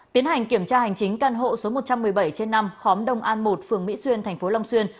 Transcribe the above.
tiến hành kiểm tra hành chính căn hộ số một trăm một mươi bảy trên năm khóm đông an một phường mỹ xuyên thành phố long xuyên